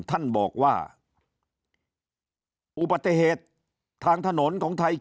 ท่านบอกว่าอุบัติเหตุทางถนนของไทย